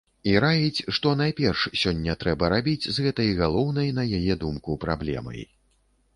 І раіць, што найперш сёння трэба рабіць з гэтай галоўнай, на яе думку, праблемай.